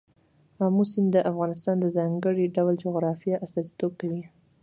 آمو سیند د افغانستان د ځانګړي ډول جغرافیه استازیتوب کوي.